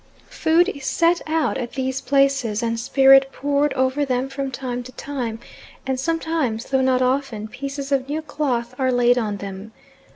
Food is set out at these places and spirit poured over them from time to time, and sometimes, though not often, pieces of new cloth are laid on them.